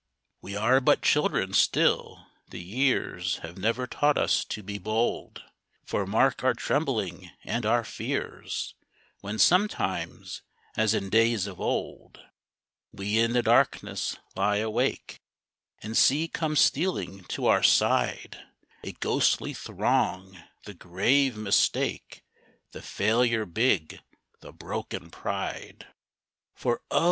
We are but children still, the years Have never taught us to be bold, For mark our trembling and our fears When sometimes, as in days of old, We in the darkness lie awake, And see come stealing to our side A ghostly throng the grave Mistake, The Failure big, the broken Pride. For O!